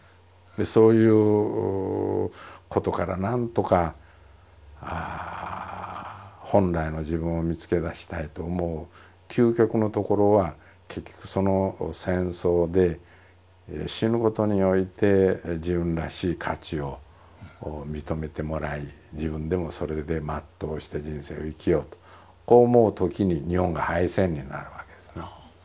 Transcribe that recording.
そういうことからなんとか本来の自分を見つけ出したいと思う究極のところは結局その戦争で死ぬことにおいて自分らしい価値を認めてもらい自分でもそれで全うして人生を生きようとこう思うときに日本が敗戦になるわけですね。